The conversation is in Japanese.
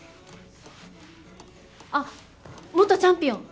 あっ元チャンピオン！